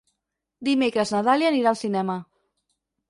Dimecres na Dàlia anirà al cinema.